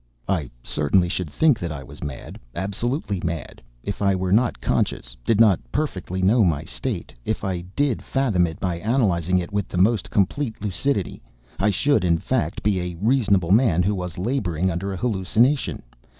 I certainly should think that I was mad, absolutely mad, if I were not conscious, did not perfectly know my state, if I did fathom it by analyzing it with the most complete lucidity. I should, in fact, be a reasonable man who was labouring under a hallucination.